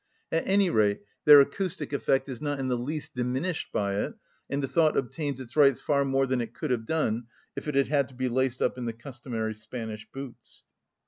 At any rate, their acoustic effect is not in the least diminished by it, and the thought obtains its rights far more than it could have done if it had had to be laced up in the customary Spanish boots.